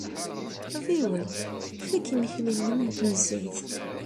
Ɣiwel, fak imekli-nnem n tnezzayt.